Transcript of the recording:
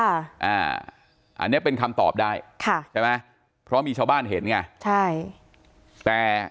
อันนี้เป็นคำตอบได้ค่ะใช่ไหมเพราะมีชาวบ้านเห็นไงใช่แต่